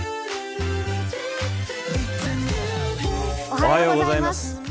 おはようございます。